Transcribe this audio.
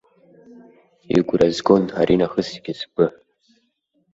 Игәра згон аринахысгьы сгәы.